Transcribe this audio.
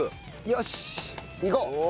よし！いこう。